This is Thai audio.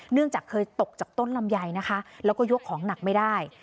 เนื่องจากเคยตกจากต้นลำไยนะคะแล้วก็ยกของหนักไม่ได้